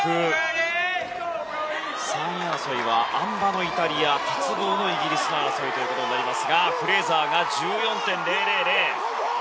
３位争いは、あん馬のイタリア鉄棒のイギリスの争いとなりますがフレーザーが１４．０００。